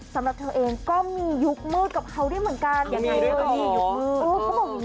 สำหรับเธอเองก็มียุคมืดกับเค้าได้เหมือนกัน